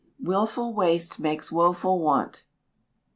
[WILFUL WASTE MAKES WOEFUL WANT.